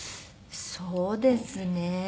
そうですね。